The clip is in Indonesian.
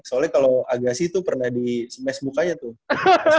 soalnya kalau agassi tuh pernah di smash mukanya tuh